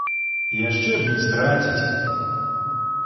Яшчэ б не страціць!